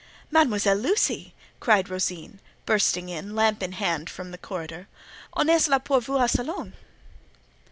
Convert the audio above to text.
"Mademoiselle Lucy!" cried Rosine, bursting in, lamp in hand, from the corridor, "on est là pour vous au salon."